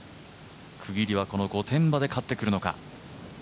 区切りはこの御殿場で勝ってくるのか。